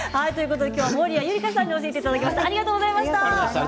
今日は守屋百合香さんに教えていただきました。